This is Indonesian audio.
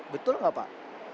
betul nggak pak